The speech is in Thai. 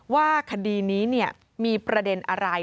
ว่าคดีนี้มีประเด็นอะไร